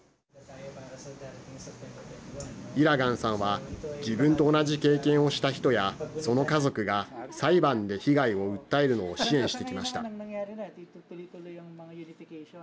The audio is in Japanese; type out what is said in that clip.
イラガンさんは自分と同じ経験をした人やその家族が裁判で被害を訴えるのを支援してきました。